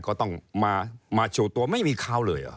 ก็ต้องมาโชว์ตัวไม่มีเขาเลยเหรอ